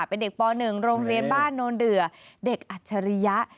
เป็นเด็กป๑โรงเรียนบ้านโนนเดือเด็กอัจฉริยะ